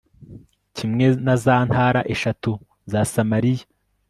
kimwe na za ntara eshatu za samariya